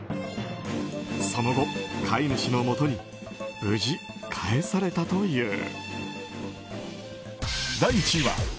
その後、飼い主のもとに無事帰されたという。